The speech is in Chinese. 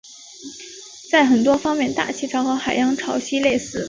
在很多方面大气潮和海洋潮汐类似。